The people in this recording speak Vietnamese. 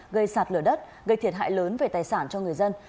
gây sạt lở đất gây thiệt hại lớn về tài sản cho người dân